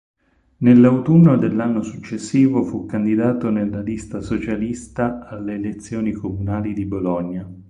Nell'autunno dell'anno successivo fu candidato nella lista socialista alle elezioni comunali di Bologna.